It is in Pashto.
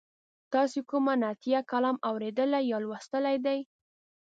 تاسې کوم نعتیه کلام اوریدلی یا لوستلی دی؟